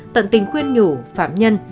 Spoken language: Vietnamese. tận tình khuyên nhủ phạm nhân